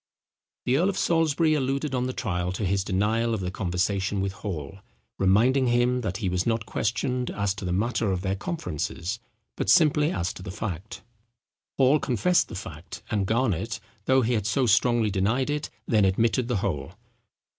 The earl of Salisbury alluded on the trial to his denial of the conversation with Hall, reminding him that he was not questioned as to the matter of their conferences, but simply as to the fact. Hall confessed the fact, and Garnet, though he had so strongly denied it, then admitted the whole.